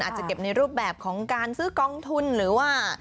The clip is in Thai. อาจจะเก็บในรูปแบบของการซื้อกองทุนหรือว่า